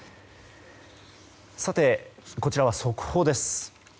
こちらは速報です。